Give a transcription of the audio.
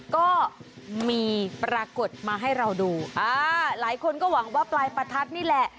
ก็มีปรากฏมาให้เราดูอ่าหลายคนก็หวังว่าปลายประทัดนี่แหละ